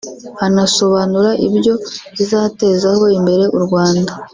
anasobanura ibyo izatezaho imbere u Rwanda